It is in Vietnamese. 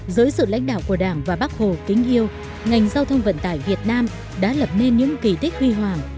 giới sự lãnh đạo của đảng và bác hồ kính hiêu ngành giao thông vận tải việt nam đã lập nên những kỳ tích huy hoảng